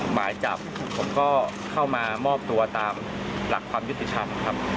หมายจับผมก็เข้ามามอบตัวตามหลักความยุติธรรมครับ